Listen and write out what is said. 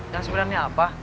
yang sebenarnya apa